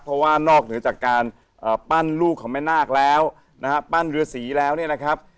เพราะว่านอกเหนือจากการปั้นลูกของแม่นาคแล้วนะฮะปั้นเรือสีแล้วเนี่ยนะครับ